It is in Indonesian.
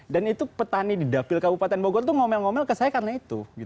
dan itu petani di dapil kabupaten bogor itu ngomel ngomel ke saya karena itu